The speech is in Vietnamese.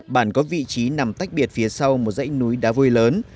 bản có vị trí nằm tách biệt phía sau một dãy núi đá vôi lớn